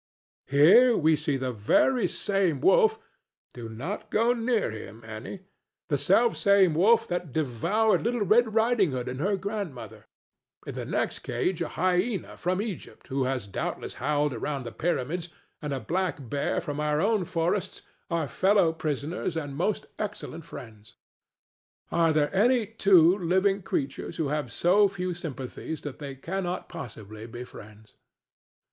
Here we see the very same wolf—do not go near him, Annie!—the selfsame wolf that devoured little Red Riding Hood and her grandmother. In the next cage a hyena from Egypt who has doubtless howled around the pyramids and a black bear from our own forests are fellow prisoners and most excellent friends. Are there any two living creatures who have so few sympathies that they cannot possibly be friends?